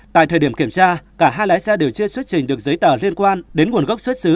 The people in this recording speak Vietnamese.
tại thời điểm kiểm tra cả hai lái xe đều chưa xuất trình được giấy tờ liên quan đến nguồn gốc xuất xứ